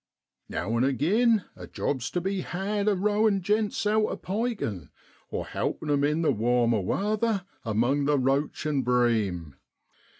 Now an' agin a job's tu be had a rowin' gents out a pikin', or helpin' 'em in the warmer weather among the roach an' bream.